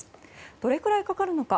どれくらいかかるのか。